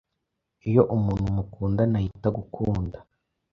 icyo umuntu mukundana yita gukunda